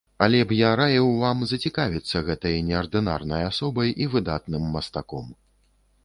Але б я раіў вам зацікавіцца гэтай неардынарнай асобай і выдатным мастаком.